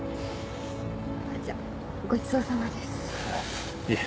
じゃごちそうさまです。いえ。